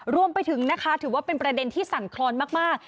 รวมไปถึงนะคะถือว่าเป็นประเด็นที่สั่นคลอนมาก